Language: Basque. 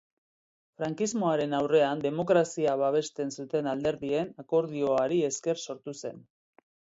Frankismoaren aurrean demokrazia babesten zuten alderdien akordioari esker sortu zen.